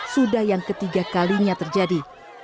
sudah yang ketiga kalinya terjadi